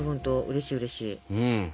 うれしいうれしい。